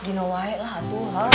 gino wae lah tuhan